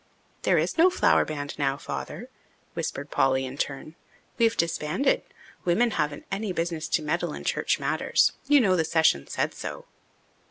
"There is no Flower Band now, Father," whispered Polly in turn. "We've disbanded. Women haven't any business to meddle in church matters. You know the session said so."